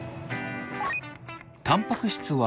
たんぱく質は。